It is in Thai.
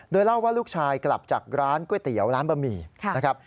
โดยเล่าว่าลูกชายกลับจากร้านก๋วยเตี๋ยวร้านบะหมี่นะครับ